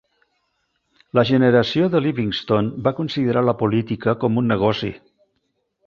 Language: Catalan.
La generació de Livingston va considerar la política com un negoci.